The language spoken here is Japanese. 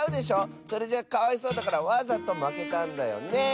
それじゃかわいそうだからわざとまけたんだよね！